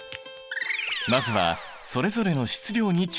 まずはそれぞれの質量に注目。